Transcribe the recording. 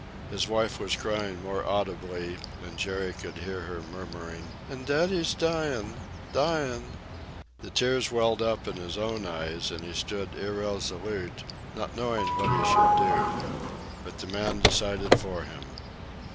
His wife was crying more audibly, and Jerry could hear her murmuring, "And daddy's dyin', dyin'!" The tears welled up in his own eyes, and he stood irresolute, not knowing what he should do. But the man decided for him.